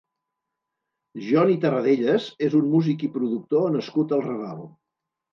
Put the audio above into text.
Johnny Tarradellas és un músic i productor nascut al Raval.